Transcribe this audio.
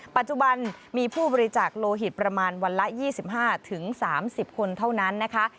ปัจจุบันมีผู้บริจาคโลหิตประมาณวันละ๒๕๓๐คนเท่านั้นนะคะ